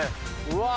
うわ。